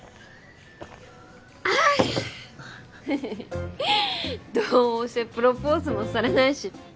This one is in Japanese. フフフどうせプロポーズもされないし